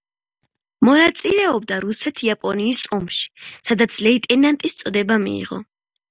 მონაწილეობდა რუსეთ-იაპონიის ომში, სადაც ლეიტენანტის წოდება მიიღო.